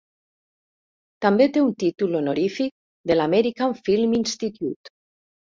També té un títol honorífic de l'American Film Institute.